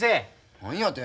何やて？